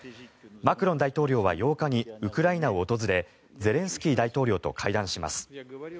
マクロン大統領は８日にウクライナを訪れゼレンスキー大統領と会談します。